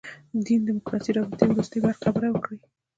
دین دیموکراسي رابطې وروستۍ خبره وکړي.